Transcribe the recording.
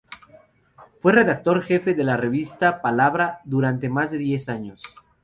Fue Redactor-Jefe de la revista Palabra durante más de diez años.